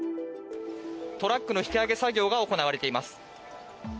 トラックの引き上げ作業が行われています。